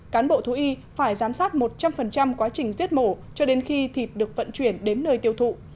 cán bộ thú y phải giám sát một trăm linh quá trình giết mổ cho đến khi thịt được vận chuyển đến nơi tiêu thụ